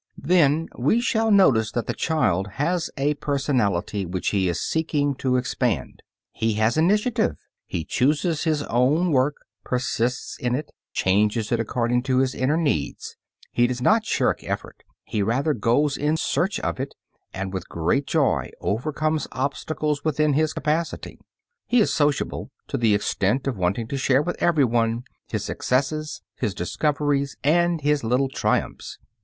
Then we shall notice that the child has a personality which he is seeking to expand; he has initiative, he chooses his own work, persists in it, changes it according to his inner needs; he does not shirk effort, he rather goes in search of it, and with great joy overcomes obstacles within his capacity. He is sociable to the extent of wanting to share with every one his successes, his discoveries, and his little triumphs.